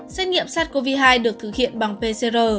xét nghiệm sars cov hai được thực hiện bằng pcr